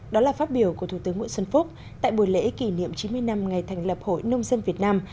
đó là phát biểu của thủ tướng nguyễn xuân phúc tại buổi lễ kỷ niệm chín mươi năm ngày thành lập hội nông dân việt nam